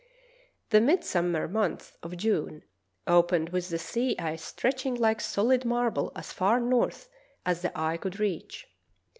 The midsummer month of June opened with the sea ice stretching like solid marble as far north as the eye could reach.